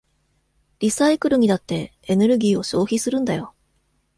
リサイクルにだってエネルギーを消費するんだよ。